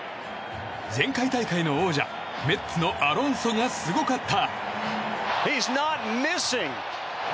前回大会の王者メッツのアロンソがすごかった。